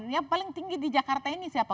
yang paling tinggi di jakarta ini siapa